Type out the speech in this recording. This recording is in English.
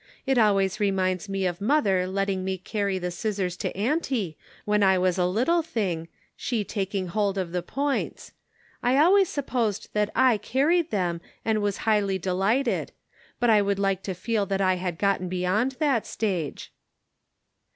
It always reminds me of mother letting me carry the scissors to auntie, when I was a little thing, she taking hold of the points. I always sup posed that I carried them, and was highly delighted. But I would like to feel that I had gotten beyond that stage."